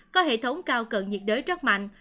có hệ thống cao cận nhiệt đới rất mạnh